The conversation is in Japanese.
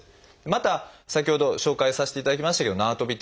また先ほど紹介させていただきましたけどなわとび